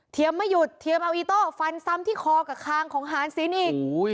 ไม่หยุดเทียมเอาอีโต้ฟันซ้ำที่คอกับคางของหานศิลป์อีก